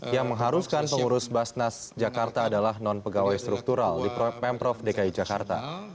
yang mengharuskan pengurus basnas jakarta adalah non pegawai struktural di pemprov dki jakarta